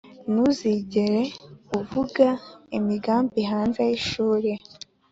ntuzigere uvuga imigani hanze yishuri